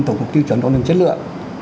tổng cục tiêu chuẩn đo năng chất lượng